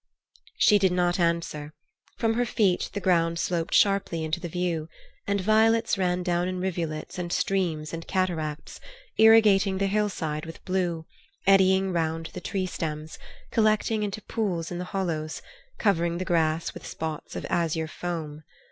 She did not answer. From her feet the ground sloped sharply into view, and violets ran down in rivulets and streams and cataracts, irrigating the hillside with blue, eddying round the tree stems collecting into pools in the hollows, covering the grass with spots of azure foam.